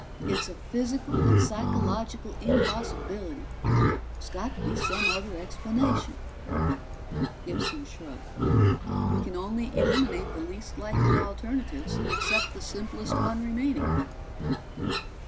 It's a physical and psychological impossibility. There's got to be some other explanation." Gibson shrugged. "We can only eliminate the least likely alternatives and accept the simplest one remaining."